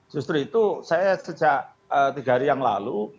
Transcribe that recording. justru itu saya sejak tiga hari yang lalu